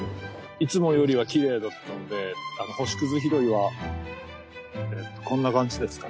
「いつもよりはきれいだったので星屑拾いはこんな感じですかね」